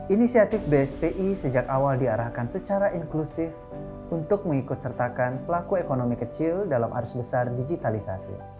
inisiatif bspi sejak awal diarahkan secara inklusif untuk mengikut sertakan pelaku ekonomi kecil dalam arus besar digitalisasi